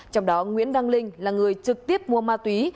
trong đó nguyễn đăng linh là người trực tiếp mua ma túy